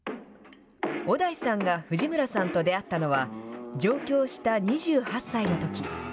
小田井さんが藤村さんと出会ったのは、上京した２８歳のとき。